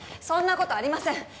そんなことありません